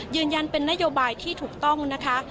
ยืนยันเป็นนโยบายที่ถูกต้องนะคะ